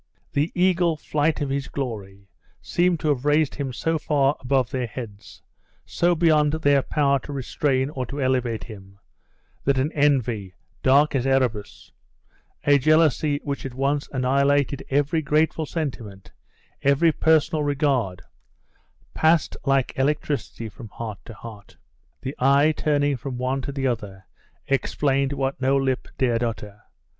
The eagle flight of his glory, seemed to have raised him so far above their heads, so beyond their power to restrain or to elevate him, that an envy, dark as Erebus a jealousy which at once annihilated every grateful sentiment, every personal regard passed like electricity from heart to heart. The eye, turning from one to the other, explained what no lip dared utter.